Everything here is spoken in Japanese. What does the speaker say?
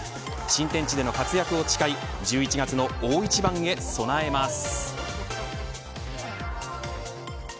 新天地での活躍を誓い１１月の大一番へ備えます。